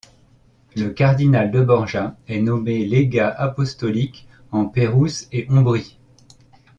Le cardinal de Borja est nommé légat apostolique en Pérouse et Ombrie.